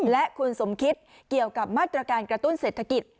และคุณสมคิดเกี่ยวกับมาตรการกระตุ้นเศรษฐกิจ